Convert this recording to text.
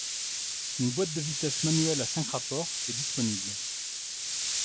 Une boîte de vitesses manuelle à cinq rapports est disponible.